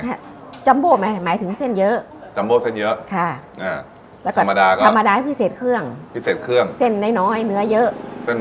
ทำไมจำออกมาหมายถึงเซ่นเยอะจำว่าเส้นเยอะก็ดาร์มาได้พิเศษเครื่องพิเศษเครื่องเส้นล้อยน้อยเนื้อเยอะ